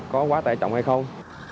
có quá tài trọng hay không